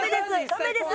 タメです。